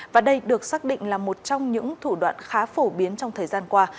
và đây được xác định là một trong những thủ đoạn khá phổ biến trong thời gian qua